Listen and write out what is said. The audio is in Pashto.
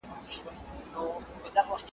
که امکانات نه وي، معلومات نه سي رامنځته کيدای.